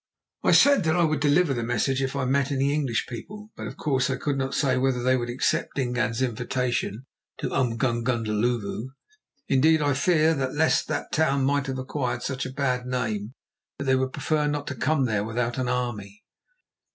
I said that I would deliver the message if I met any English people, but, of course, I could not say whether they would accept Dingaan's invitation to Umgungundhlovu. Indeed, I feared lest that town might have acquired such a bad name that they would prefer not to come there without an army.